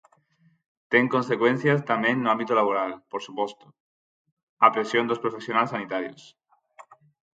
Ten consecuencias tamén no ámbito laboral, por suposto: a presión dos profesionais sanitarios.